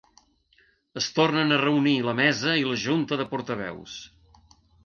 Es tornen a reunir la mesa i la junta de portaveus.